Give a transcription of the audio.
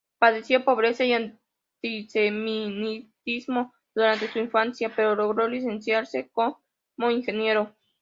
Padeció pobreza y antisemitismo durante su infancia, pero logró licenciarse como ingeniero.